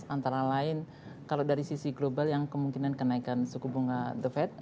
antara lain kalau dari sisi global yang kemungkinan kenaikan suku bunga the fed